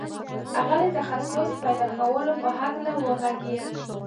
هغه د تخصص پیدا کولو په هکله وغږېد